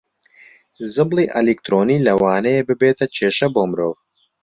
زبڵی ئەلیکترۆنی لەوانەیە ببێتە کێشە بۆ مرۆڤ